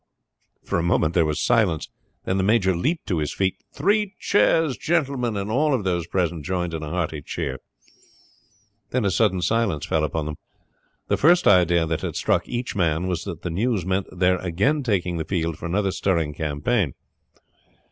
For a moment there was silence, then the major leaped to his feet. "Three cheers, gentlemen!" and all of those present joined in a hearty cheer. Then a sudden silence fell upon them. The first idea that had struck each man was that the news meant their again taking the field for another stirring campaign.